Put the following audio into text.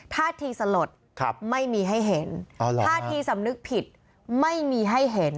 ท่าทีสลดไม่มีให้เห็นท่าทีสำนึกผิดไม่มีให้เห็น